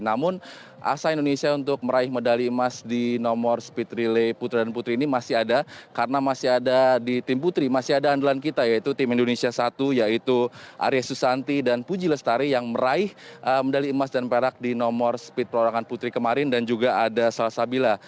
namun asa indonesia untuk meraih medali emas di nomor speed relay putra dan putri ini masih ada karena masih ada di tim putri masih ada andalan kita yaitu tim indonesia satu yaitu arya susanti dan puji lestari yang meraih medali emas dan perak di nomor speed perorangan putri kemarin dan juga ada salsabila